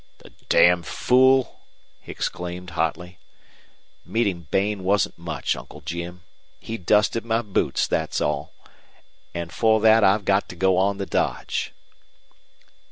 "The d d fool!" he exclaimed, hotly. "Meeting Bain wasn't much, Uncle Jim. He dusted my boots, that's all. And for that I've got to go on the dodge."